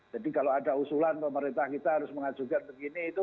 jadi kalau ada usulan pemerintah kita harus mengajukan begini itu